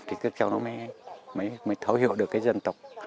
thì các cháu nó mới thấu hiểu được cái dân tộc